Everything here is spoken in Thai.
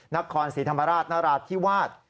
นักคลสีธรรมราชนราชที่วาด